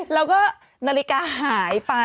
แล้วก็นาฬิกาหายไป